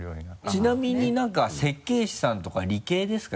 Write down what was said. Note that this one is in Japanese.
ちなみに何か設計士さんとか理系ですか？